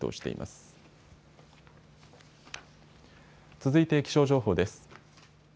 続いて気象情報です。